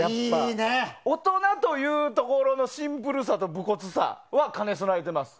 大人というところのシンプルさと無骨さは兼ね備えてます。